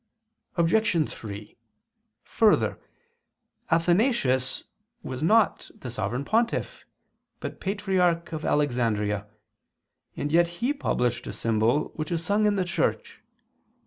Obj. 3: Further, Athanasius was not the Sovereign Pontiff, but patriarch of Alexandria, and yet he published a symbol which is sung in the Church.